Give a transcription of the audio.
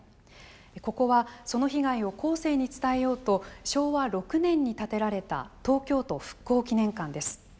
ここはその被害を後世に伝えようと昭和６年に建てられた東京都復興記念館です。